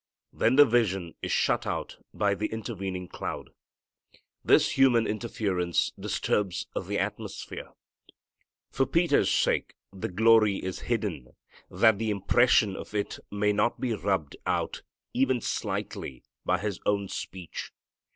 Then the vision is shut out by the intervening cloud. This human interference disturbs the atmosphere. For Peter's sake, the glory is hidden that the impression of it may not be rubbed out even slightly by his own speech.